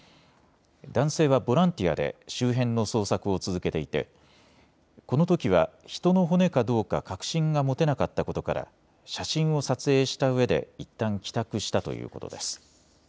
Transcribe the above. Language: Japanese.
男性はボランティアで周辺の捜索を続けていてこのときは人の骨かどうか確信が持てなかったことから写真を撮影したうえでいったん帰宅したということです。